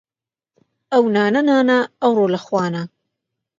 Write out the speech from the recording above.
ئەو نانە نانە ، ئەوڕۆ لە خوانە